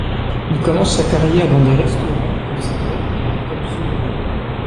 Il commence sa carrière dans des restaurants comme serveur puis comme sommelier.